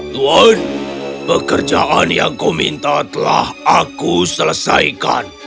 tuan pekerjaan yang kau minta telah aku selesaikan